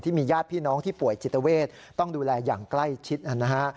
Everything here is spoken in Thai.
มีญาติพี่น้องที่ป่วยจิตเวทต้องดูแลอย่างใกล้ชิดนะฮะ